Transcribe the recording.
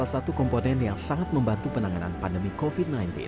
salah satu komponen yang sangat membantu penanganan pandemi covid sembilan belas